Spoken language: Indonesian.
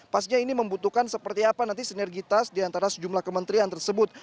pastinya ini membutuhkan seperti apa nanti sinergitas di antara sejumlah kementerian tersebut